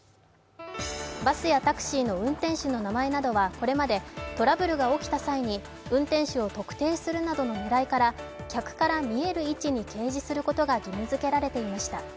バスやタクシーの運転手の名前などは、これまでトラブルが起きた際に運転手を特定するなどの狙いから客から見える位置に掲示することが義務付けられていました。